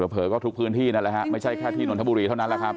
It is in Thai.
เผลอก็ทุกพื้นที่นั่นแหละฮะไม่ใช่แค่ที่นนทบุรีเท่านั้นแหละครับ